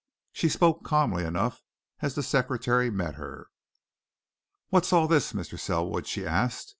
She spoke calmly enough as the secretary met her. "What's all this, Mr. Selwood?" she asked.